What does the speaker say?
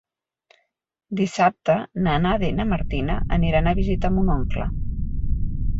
Dissabte na Nàdia i na Martina aniran a visitar mon oncle.